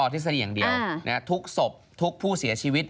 ทุกศพทุกผู้เสียชีวิต